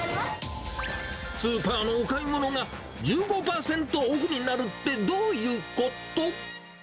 スーパーのお買い物が１５％オフになるってどういうこと？